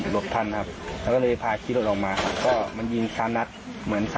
ก็ถามให้ว่าเราบ้านอยู่บ้านไหน